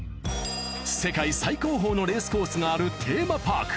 世界最高峰のレースコースがあるテーマパーク。